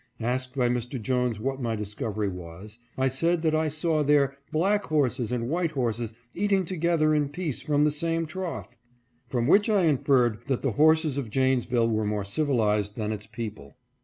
Asked by Mr. Jones what my dis covery was, I said that I saw there black horses and white horses eating together in peace from the same trough, from which I inferred that the horses of Janesville were more civilized than its people.